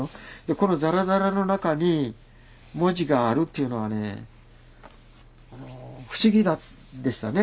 このザラザラの中に文字があるっていうのはねもう不思議でしたね。